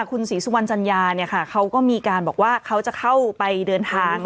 คุณศรีสุวรรณจัญญาเขาก็มีการบอกว่าเขาจะเข้าไปเดินทาง